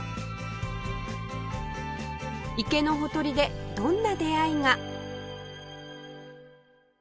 池のほとりでどんな出会いが